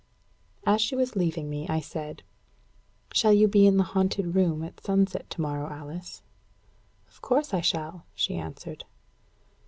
As she was leaving me, I said, "Shall you be in the haunted room at sunset tomorrow, Alice?" "Of course I shall," she answered.